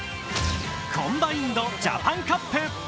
コンバインドジャパンカップ！